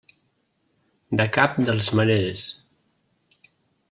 De cap de les maneres.